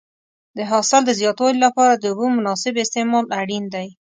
د حاصل د زیاتوالي لپاره د اوبو مناسب استعمال اړین دی.